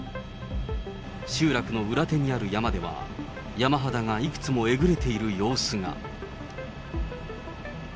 集落の裏手にある山では、山肌がいくつもえぐれている様子が。